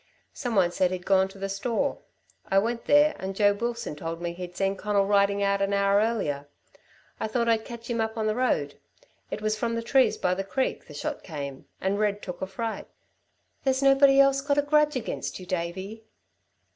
Some one said he'd gone to the store. I went there and Joe Wilson told me he'd seen Conal riding out an hour earlier. I thought I'd catch him up on the road. It was from the trees by the creek the shot came, and Red took fright." "There's nobody else got a grudge against you, Davey?"